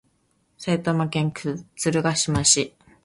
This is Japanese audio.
埼玉県鶴ヶ島市